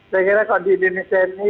saya kira kalau di indonesia ini